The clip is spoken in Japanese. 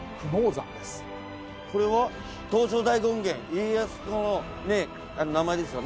これは東照大権現家康公の名前ですよね。